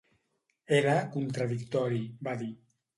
Era contradictori, va dir.